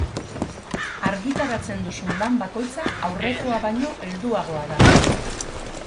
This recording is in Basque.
Argitaratzen duzun lan bakoitza aurrekoa baino helduagoa da.